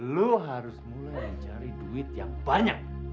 lo harus mulai mencari duit yang banyak